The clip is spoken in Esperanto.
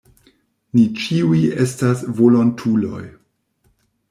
Ni ĉiuj estas volontuloj.